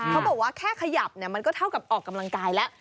เขาบอกว่าแค่ขยับเนี่ยมันก็เท่ากับออกกำลังกายแล้ว